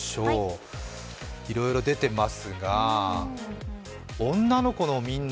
いろいろ出てますが、女の子みんな！